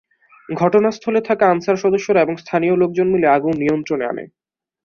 ঘটনাস্থলে থাকা আনসার সদস্যরা এবং স্থানীয় লোকজন মিলে আগুন নিয়ন্ত্রণে আনে।